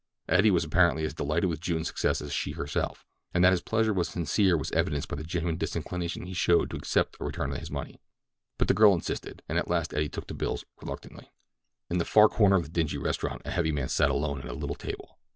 Eddie was apparently as delighted with June's success as she herself, and that his pleasure was sincere was evidenced by the genuine disinclination he showed to accept a return of his money. But the girl insisted, and at last Eddie took the bills reluctantly. In the far corner of the dingy restaurant a heavy man sat alone at a little table.